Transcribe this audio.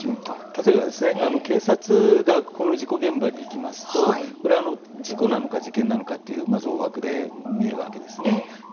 例えば警察がこの事故現場に行きますとこれは事故なのか事件なのかいった大枠で見るわけですね。